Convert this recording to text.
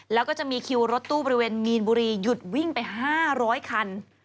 แล้วก็จะมีคิวรถตู้บริเวณมีนบุรีหยุดวิ่งไป๕๐๐คัน